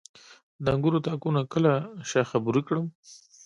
د انګورو تاکونه کله شاخه بري کړم؟